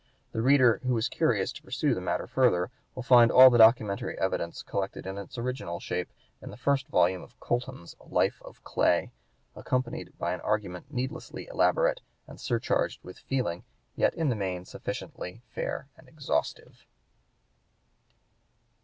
The reader who is curious to pursue the matter further will find all the documentary evidence collected in its original shape in the first volume of Colton's "Life of Clay," accompanied by an argument needlessly elaborate and surcharged with feeling yet in the main sufficiently fair and exhaustive.